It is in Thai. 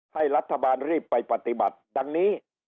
ให้รัฐบาลรีบไปปฏิบัติดังนี้